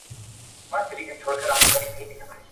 تاسي باید د انټرنيټ کارول محدود کړئ.